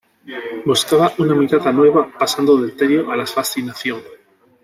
Buscaba una mirada nueva, pasando del tedio a la fascinación.